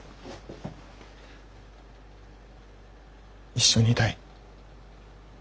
一緒にいたい。